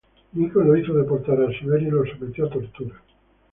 Nikon lo hizo deportar a Siberia y lo sometió a tortura.